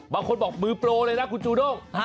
บางคนบอกมือโปรเลยนะคุณจูด้ง